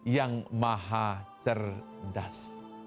yang maha cerdas